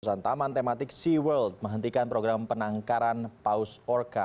keputusan taman tematik seaworld menghentikan program penangkaran paus orca